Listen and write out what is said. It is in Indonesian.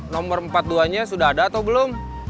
nomor empat puluh dua nya sudah ada atau belum